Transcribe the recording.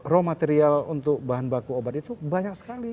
raw material untuk bahan baku obat itu banyak sekali